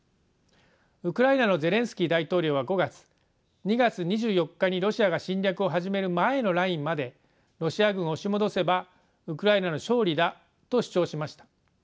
ウクライナのゼレンスキー大統領は５月２月２４日にロシアが侵略を始める前のラインまでロシア軍を押し戻せばウクライナの勝利だと主張しました。